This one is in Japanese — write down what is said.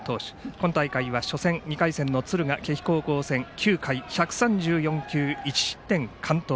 今大会は初戦、２回戦の敦賀気比戦９回１３４球１失点完投。